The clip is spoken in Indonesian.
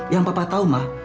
yang papa tahu ma